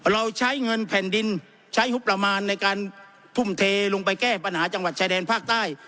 เราใช้เงินแผ่นดินใช้งบประมาณในการทุ่มเทลงไปแก้ปัญหาจังหวัดชายแดนภาคใต้